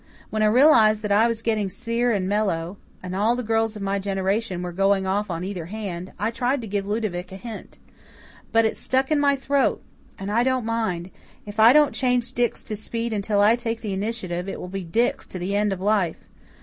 When I realized that I was getting sere and mellow, and all the girls of my generation were going off on either hand, I tried to give Ludovic a hint. But it stuck in my throat. And now I don't mind. If I don't change Dix to Speed until I take the initiative, it will be Dix to the end of life.